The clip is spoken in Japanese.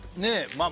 まあ